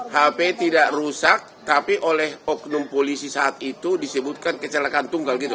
hp tidak rusak tapi oleh oknum polisi saat itu disebutkan kecelakaan tunggal gitu